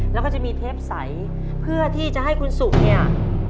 แล้วก็จะมีเทปใสเพื่อที่จะให้คุณสุกเนี่ย